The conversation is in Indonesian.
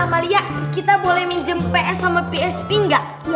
amalia kita boleh minjem ps sama psp nggak